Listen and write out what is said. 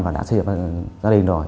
và đã xây dựng gia đình rồi